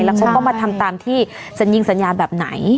แล้วก็มาทำตามที่สัญญาณแบบไหน